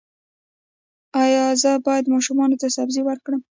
ایا زه باید ماشوم ته سبزي ورکړم؟